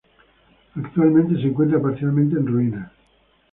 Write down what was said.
Actualmente se encuentra parcialmente en ruinas.